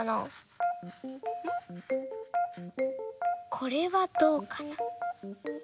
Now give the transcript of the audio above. これはどうかな？